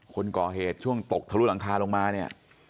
คนก่อเหตุช่วงตกทะลุหลังคาลงมาเนี่ย